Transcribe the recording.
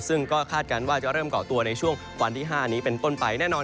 ซึ่งก็คาดการณ์ว่าจะเริ่มเกาะตัวในช่วงวันที่๕นี้เป็นต้นไปแน่นอน